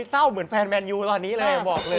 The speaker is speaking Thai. เศร้าเหมือนแฟนแมนยูตอนนี้เลยบอกเลย